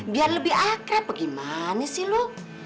biar lebih akrab atau gimana sih lo